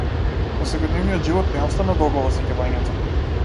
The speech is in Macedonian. Во секојдневниот живот не остана долго во сеќавањето.